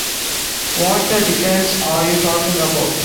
What the dickens are you talking about?